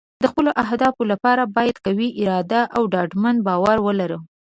د خپلو اهدافو لپاره باید قوي اراده او ډاډمن باور ولرو.